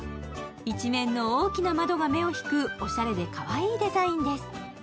一面の大きな窓が目を引くおしゃれでかわいいデザインです。